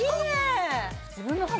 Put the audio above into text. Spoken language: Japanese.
自分の肌